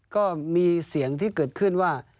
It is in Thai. ก็มีเสียงที่เกิดขึ้นว่า